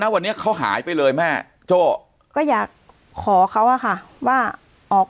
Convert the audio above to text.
วันนี้เขาหายไปเลยแม่โจ้ก็อยากขอเขาอะค่ะว่าออก